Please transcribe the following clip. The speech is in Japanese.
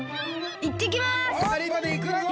いってきます！